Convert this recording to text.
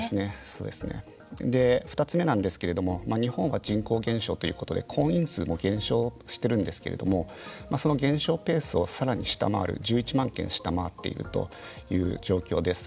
２つ目なんですけれども日本が人口減少ということで婚姻数も減少してるんですけどその減少ペースをさらに下回る１１万件下回っている状況です。